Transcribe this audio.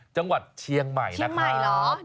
จังหวัดเชียงใหม่นะครับเชียงใหม่เหรอ